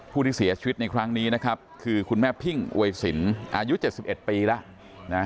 ที่เสียชีวิตในครั้งนี้นะครับคือคุณแม่พิ่งอวยสินอายุ๗๑ปีแล้วนะ